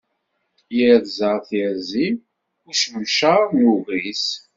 Iṛẓa tiṛẓi ucemcaṛ n ugris.